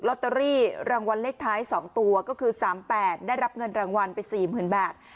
ลอตเตอรี่รางวัลเลขท้ายสองตัวก็คือสามแปดได้รับเงินรางวัลไปสี่หมื่นแบต